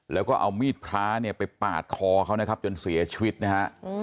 แล้วก็เอามีดพระเนี่ยไปปาดคอเขานะครับจนเสียชีวิตนะฮะ